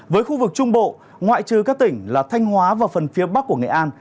với khu vực trung bộ ngoại trừ các tỉnh là thanh hóa và phần phía bắc của nghệ an